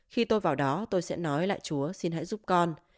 khi tôi vào đó tôi sẽ nói lại chúa xin hãy giúp con